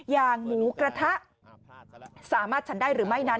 อย่างหมูกระทะสามารถฉันได้หรือไม่นั้น